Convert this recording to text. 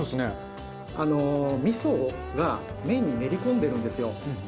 あのみそが麺に練り込んでるんですよ。